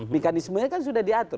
mekanismenya kan sudah diatur